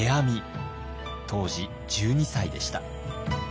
当時１２歳でした。